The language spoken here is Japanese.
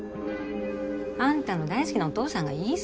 あんたの大好きなお父さんが言いそうじゃん。